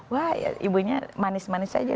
wah ibunya manis manis saja